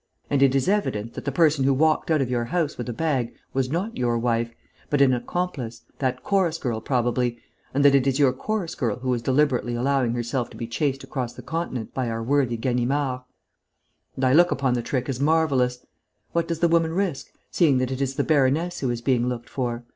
And it is evident that the person who walked out of your house with a bag was not your wife, but an accomplice, that chorus girl probably, and that it is your chorus girl who is deliberately allowing herself to be chased across the continent by our worthy Ganimard. And I look upon the trick as marvellous. What does the woman risk, seeing that it is the baroness who is being looked for?